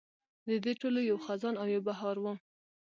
د دې ټولو یو خزان او یو بهار و.